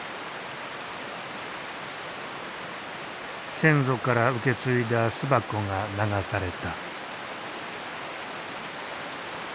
先祖から受け継いだ巣箱が流された。